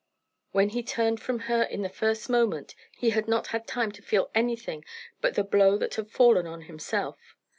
When he turned from her in the first moment, he had not had time to feel anything but the blow that had fallen on himself.